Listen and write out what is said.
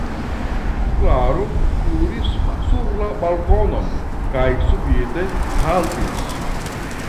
Klaro kuris sur la balkonon kaj subite haltis.